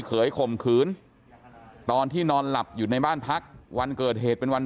ข่มขืนตอนที่นอนหลับอยู่ในบ้านพักวันเกิดเหตุเป็นวัน